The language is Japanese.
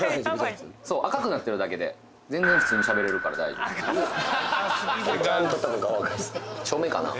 そう赤くなってるだけで全然普通にしゃべれるから大丈夫顔赤い照明かな？